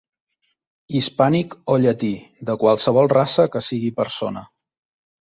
Hispànic o llati de qualsevol raça que sigui persona.